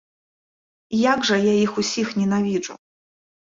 Як жа я іх усіх ненавіджу!